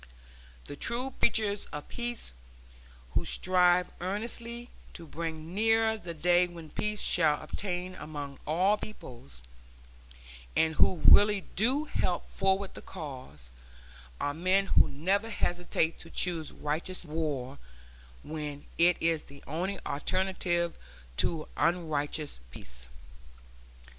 The true preachers of peace, who strive earnestly to bring nearer the day when peace shall obtain among all peoples, and who really do help forward the cause, are men who never hesitate to choose righteous war when it is the only alternative to unrighteous peace.